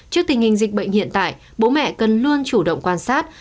trước tình hình dịch bệnh hiện tại bố mẹ cần luôn chủ động quan sát